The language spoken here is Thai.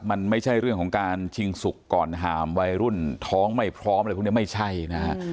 มันไม่ใช่เรื่องของการชิงสุกก่อนหามวัยรุ่นท้องไม่พร้อมอะไรพวกนี้ไม่ใช่นะฮะ